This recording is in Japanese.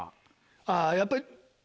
あぁやっぱり。